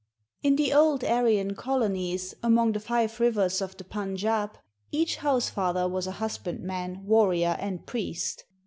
In the old Aryan colonies among the Five Rivers of the Punjab, each house father was a husbandman, warrior, and priest.